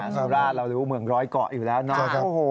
สุราชเรารู้เมืองร้อยเกาะอยู่แล้วเนาะ